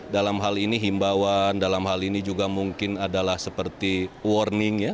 dalam hal ini himbauan dalam hal ini juga mungkin adalah seperti warning ya